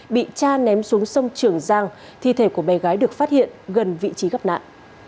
bị cha ném xuống sông trường giang thi thể của bé gái được phát hiện gần vị trí gặp nạn